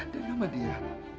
dan nama dia